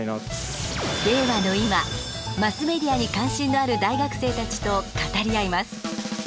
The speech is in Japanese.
令和の今マスメディアに関心のある大学生たちと語り合います。